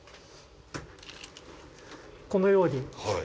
このように。